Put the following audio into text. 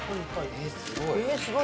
えすごい。